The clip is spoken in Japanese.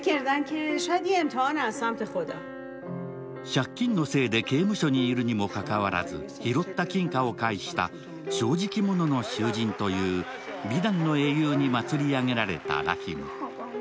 借金のせいで刑務所にいるにもかかわらず、拾った金貨を返した正直者の囚人という美談の英雄に祭り上げられたラヒム。